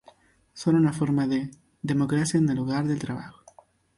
Son una forma de "democracia en el lugar de trabajo".